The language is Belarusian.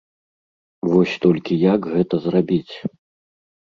Вось толькі як гэта зрабіць?